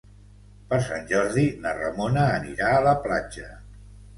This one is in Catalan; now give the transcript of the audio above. Per Sant Jordi na Ramona anirà a la platja.